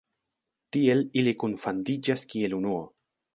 Tiel ili kunfandiĝas kiel unuo.